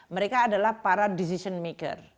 mereka adalah para decision maker